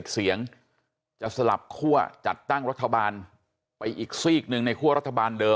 เสียงจะสลับคั่วจัดตั้งรัฐบาลไปอีกซีกหนึ่งในคั่วรัฐบาลเดิม